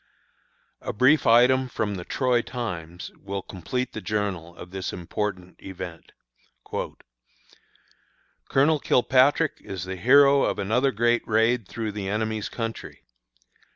A brief item from the Troy Times will complete the journal of this important event: "Colonel Kilpatrick is the hero of another great raid through the enemy's country.